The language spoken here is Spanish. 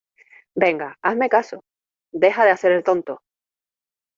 venga, hazme caso. deja de hacer el tonto